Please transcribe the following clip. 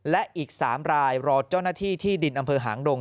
และอีก๓รายรอเจ้าหน้าที่ที่ดินอำเภอหางดง